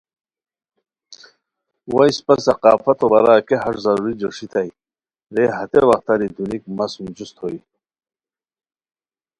وا اِسپہ ثقافتو بارا کیہ ہݰ ضروری جوݰیتائے رے ہتے وختاری دونیک مہ سُم جوست ہوئے